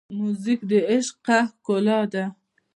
موزیک د عشقه ښکلا ده.